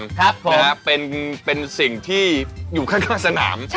ครับผมนะครับเป็นเป็นสิ่งที่อยู่ข้างข้างสนาม